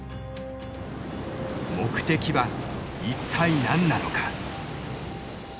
目的は一体何なのか。